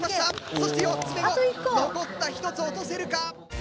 そして４つ目も残った１つを落とせるか。